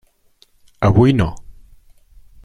Avui no.